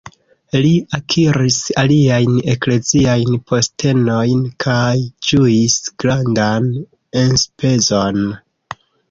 Li akiris aliajn ekleziajn postenojn, kaj ĝuis grandan enspezon.